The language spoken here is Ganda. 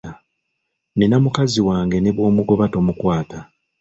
Nnina mukazi wange ne bw'omugoba tomukwata.